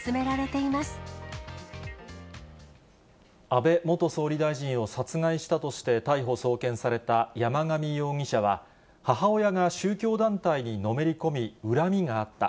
安倍元総理大臣を殺害したとして逮捕・送検された山上容疑者は、母親が宗教団体にのめり込み、恨みがあった。